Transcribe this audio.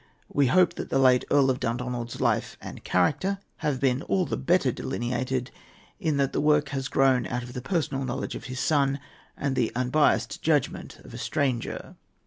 We hope that the late Earl of Dundonald's life and character have been all the better delineated in that the work has grown out of the personal knowledge of his son and the unbiassed judgment of a stranger.